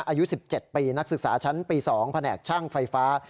อายุ๑๗ปีนักศึกษาชั้นปี๒แผนกช่างไฟฟ้า